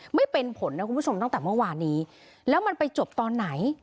ไม่เป็นผลนะคุณผู้ชมตั้งแต่เมื่อวานนี้แล้วมันไปจบตอนไหน